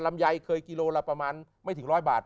ลำไยเคยกิโลละประมาณไม่ถึงร้อยบาท